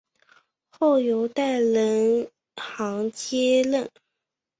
后由戴仁行接任。